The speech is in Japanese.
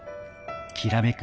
きらめく